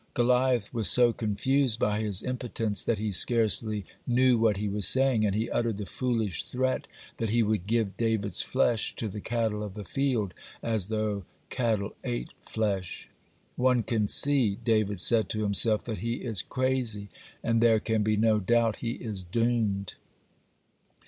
(40) Goliath was so confused by his impotence that he scarcely knew what he was saying, and he uttered the foolish threat that he would give David's flesh to the cattle of the field, as though cattle ate flesh. One can see, David said to himself, that he is crazy, and there can be no doubt he is doomed.